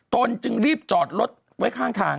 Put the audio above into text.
ตนจึงรีบจอดรถไว้ข้างทาง